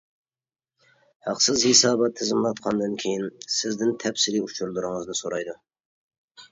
ھەقسىز ھېسابات تىزىملاتقاندىن كېيىن، سىزدىن تەپسىلىي ئۇچۇرلىرىڭىزنى سورايدۇ.